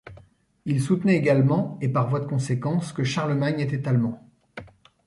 Il soutenait également, et par voie de conséquence, que Charlemagne était allemand.